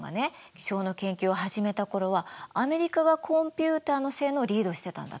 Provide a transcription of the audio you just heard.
気象の研究を始めた頃はアメリカがコンピューターの性能をリードしてたんだって。